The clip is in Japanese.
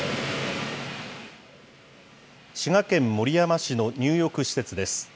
滋賀県守山市の入浴施設です。